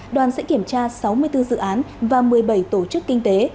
đoàn sẽ kiểm tra sáu mươi bốn dự án và một mươi bảy tổ chức kinh tế